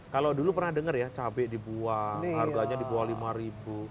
kalau dulu pernah dengar ya cabai dibuang harganya dibuang rp lima